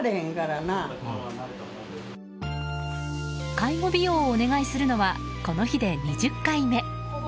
介護美容をお願いするのはこの日で２０回目。